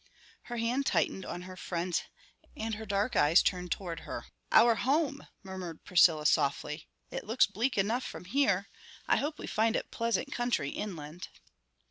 Her hand tightened on her friend's and her dark eyes turned towards her. "Our home!" murmured Priscilla softly. "It looks bleak enough from here. I hope we find it pleasant country inland."